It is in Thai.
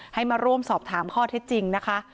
ให้มาร่วมสอบถามข้อเท็จจริงนะคะ